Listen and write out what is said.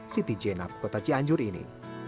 siti jenab kota cianjur ini